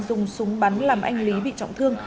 dùng súng bắn làm anh lý bị trọng thương